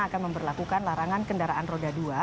akan memperlakukan larangan kendaraan roda dua